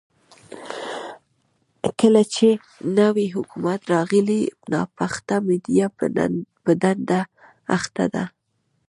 کله چې نوی حکومت راغلی، ناپخته میډيا په دنده اخته ده.